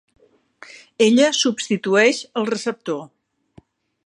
Ella substitueix el receptor.